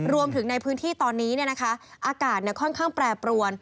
รวมถึงในพื้นที่ตอนนี้อากาศค่อนข้างแปรปรวน